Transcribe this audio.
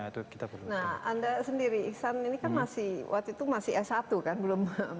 nah anda sendiri iksan ini kan masih waktu itu masih s satu kan belum